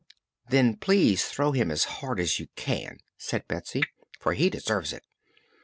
"Then please throw him as hard as you can," said Betsy, "for he deserves it.